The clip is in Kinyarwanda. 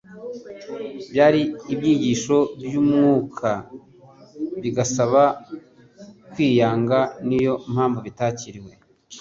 Byari ibyigisho by'umwuka bigasaba ukwiyanga, niyo mpamvu bitakiriwe.